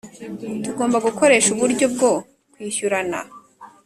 Tugomba gukoresha uburyo bwo kwishyurana